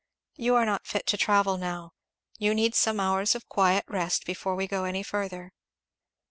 "You are not fit to travel now. You need some hours of quiet rest before we go any further."